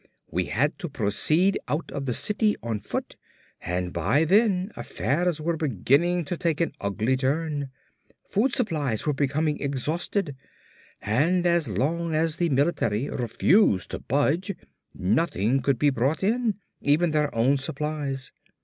We had to proceed out of the city on foot and by then affairs were beginning to take an ugly turn. Food supplies were becoming exhausted and as long as the military refused to budge nothing could be brought in, even their own supplies.